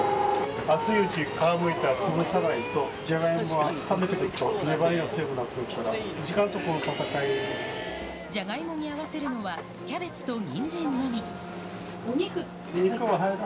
熱いうちに皮むいたら潰さないと、ジャガイモは冷めてくると粘りが強くなってくるから、ジャガイモに合わせるのはキお肉って。